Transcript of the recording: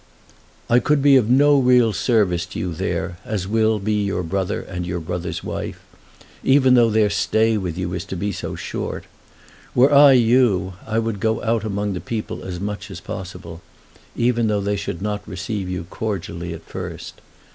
I could be of no real service to you there, as will be your brother and your brother's wife, even though their stay with you is to be so short. Were I you I would go out among the people as much as possible, even though they should not receive you cordially at first.